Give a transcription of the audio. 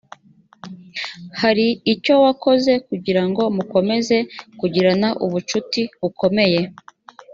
hari icyo wakoze kugira ngo mukomeze kugirana ubucuti bukomeye